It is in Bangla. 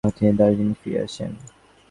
তিনি দার্জিলিংয়ে ফিরে আসেন।